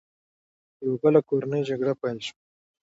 یوه بله کورنۍ جګړه پیل شوه.